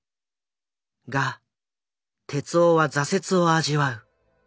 が徹男は挫折を味わう。